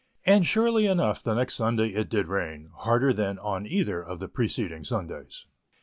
And surely enough the next Sunday it did rain, harder than on either of the preceding Sundays.